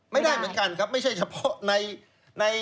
ไม่ได้เหมือนกันครับไม่ใช่เฉพาะใน